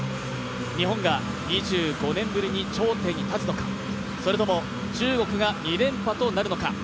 日本が２５年ぶりに頂点に立つのか、それとも中国が２連覇となるのか。